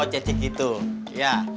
oh jadi gitu ya